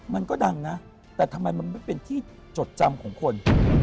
มันก็ดังนะแต่ทำไมมันไม่เป็นที่จดจำของคน